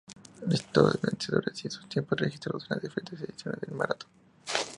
Listado de vencedores y sus tiempos registrados en las diferentes ediciones del maratón.